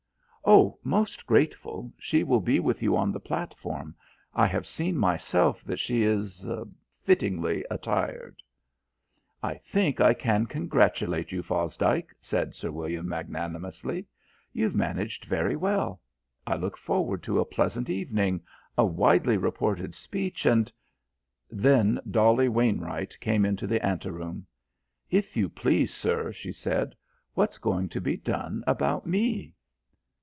"Oh, most grateful. She will be with you on the platform. I have seen myself that she is fittingly attired." "I think I can congratulate you, Fosdike," said Sir William magnanimously. "You've managed very well. I look forward to a pleasant evening, a widely reported speech, and " Then Dolly Wainwright came into the ante room. "If you please, sir," she said, "what's going to be done about me?"